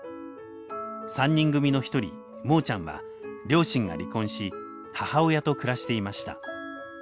三人組の１人モーちゃんは両親が離婚し母親と暮らしていました。